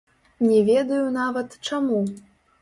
Не ведаю нават, чаму.